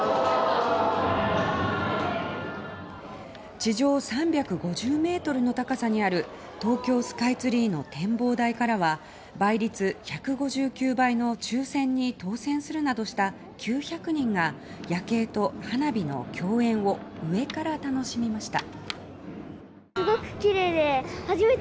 地上３５０ｍの高さにある東京スカイツリーの展望台からは倍率１５９倍の抽選に当選するなどした９００人が夜景と花火の競演を上から楽しみました。